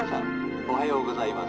「おはようございます。